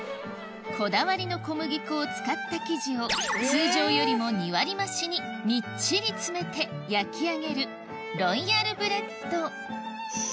こだわりの小麦粉を使った生地を通常よりも２割増しにみっちり詰めて焼き上げるロイヤルブレッド